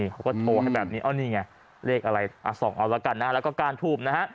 เขาก็โทรให้แบบนี้อ้อนี่ไงเลขอะไร๒เอาแล้วกันนะแล้วก็การทูบนะฮะ